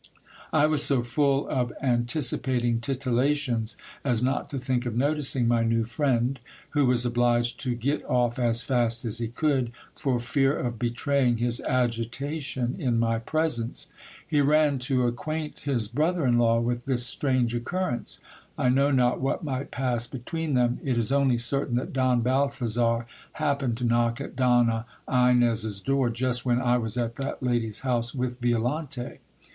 I was so full of anticipating titillations, as not to think of noticing my new friend, who was obliged to get off as fast as he could, for fear of betraying his agitation in my presence. He ran to acquaint his brother in law with this strange occurrence. I know not what might pass between them : it is only certain that Don Balthazar happened to knock at Donna Inez's door, just when I was at that lady's house with Violante.